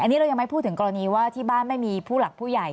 อันนี้เรายังไม่พูดถึงกรณีว่าที่บ้านไม่มีผู้หลักผู้ใหญ่